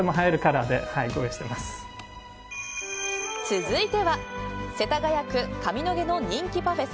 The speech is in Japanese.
続いては世田谷区上野毛の人気パフェ